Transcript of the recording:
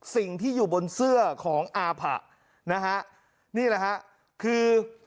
สิ่งที่อยู่บนเสื้อของอาผะนะฮะนี่แหละฮะคือ